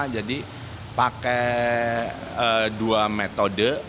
jadi pakai dua metode